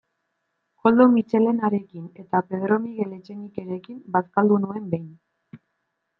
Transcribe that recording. Koldo Mitxelenarekin eta Pedro Miguel Etxenikerekin bazkaldu nuen behin.